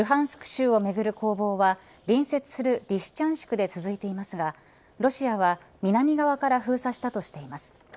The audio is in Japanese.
州をめぐる攻防は隣接するリシチャンシクで続いていますがロシアは南側から封鎖したとしています。